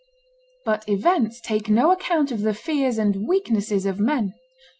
But events take no account of the fears and weaknesses of men.